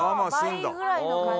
倍ぐらいの感じや。